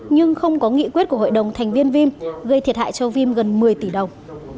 nhưng không có nghị quyết của hội đồng thành viên vim gây thiệt hại cho vim gần một mươi tỷ đồng